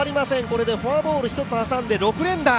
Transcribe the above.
これでフォアボール１つ挟んで６連打。